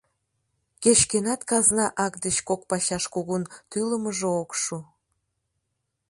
Кеч-кӧнат казна ак деч кок пачаш кугун тӱлымыжӧ ок шу.